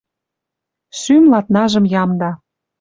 Шӱм ладнажым ямда